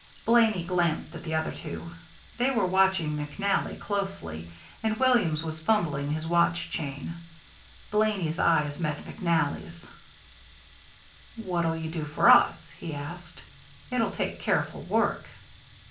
Blaney glanced at the other two. They were watching McNally closely, and Williams was fumbling his watch chain. Blaney's eyes met McNally's. "What'll you do for us?" he asked. "It'll take careful work."